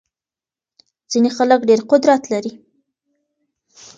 ځينې خلګ ډېر قدرت لري.